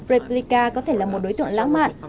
replica có thể là một đối tượng lãng mạn